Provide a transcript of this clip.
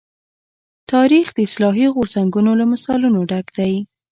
تاریخ د اصلاحي غورځنګونو له مثالونو ډک دی.